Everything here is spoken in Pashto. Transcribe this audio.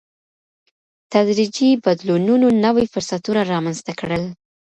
تدريجي بدلونونو نوي فرصتونه رامنځته کړل.